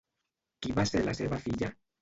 Qui va ser la seva filla?